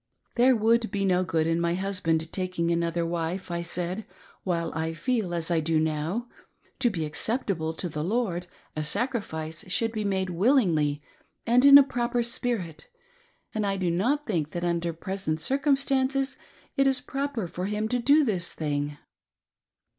"There would be no good in my husband taking another wife," I said, "while I feel as I do now. To be acceptable to the Lord, a sacrifice should be made willingly and in a proper spi*it, and I do not think that under present circumstances it is proper fca: him to do this thing."